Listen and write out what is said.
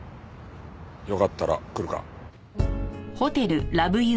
よかったら来るか？